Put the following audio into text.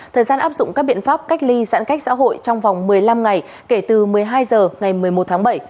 thời gian áp dụng các biện pháp cách ly giãn cách xã hội trong vòng một mươi năm ngày kể từ một mươi hai h ngày một mươi một tháng bảy